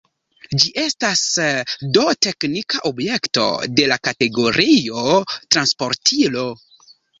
Ĝi estas do teknika objekto, de la kategorio «transportilo».